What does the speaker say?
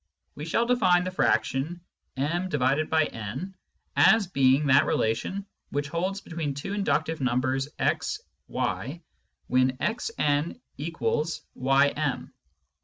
We shall define the fraction m/n as being that relation which holds between two inductive numbers x, y when xn=ym.